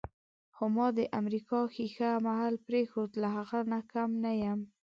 خو ما هم د امریکا ښیښه محل پرېښود، له هغه نه کم نه یم.